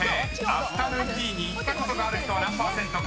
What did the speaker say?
［アフタヌーンティーに行ったことがある人は何％か］